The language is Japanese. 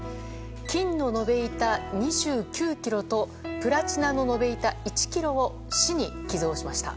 金の延べ棒２９ｋｇとプラチナの延べ板１ｋｇを市に寄贈しました。